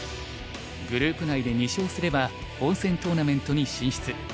グループ内で２勝すれば本戦トーナメントに進出。